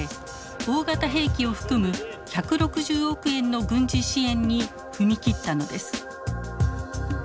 大型兵器を含む１６０億円の軍事支援に踏み切ったのです。